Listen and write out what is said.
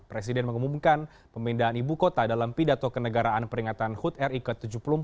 presiden mengumumkan pemindahan ibu kota dalam pidato kenegaraan peringatan hud ri ke tujuh puluh empat